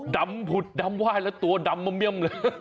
ดำผุดดำว่ายและตัวดำเบมเลย